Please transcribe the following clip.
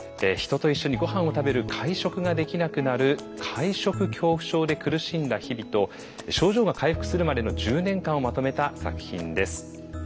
人と一緒にご飯を食べる会食ができなくなる会食恐怖症で苦しんだ日々と症状が回復するまでの１０年間をまとめた作品です。